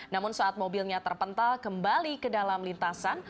namun saat mobilnya terpental kembali ke dalam lintasan